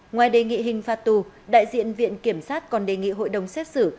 ngoài đề nghị hình phạt tù đại diện viện kiểm sát còn đề nghị hội đồng xét xử